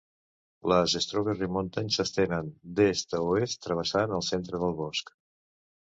Les Strawberry Mountains s'estenen d'est a oest travessant el centre del bosc.